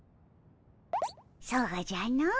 そうじゃの。